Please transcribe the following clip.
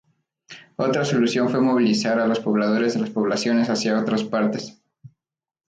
Otra solución fue movilizar a los pobladores de las poblaciones hacia otras partes.